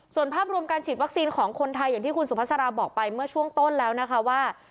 ส่วนภาพรวมการฉีดวัคซีนของคนไทยอย่างที่คุณสุภาษาราบอกไปเมื่อช่วงต้นแล้วนะคะว่า